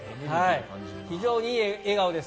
非常にいい笑顔です。